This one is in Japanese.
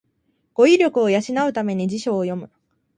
語彙力を養うために辞書を読む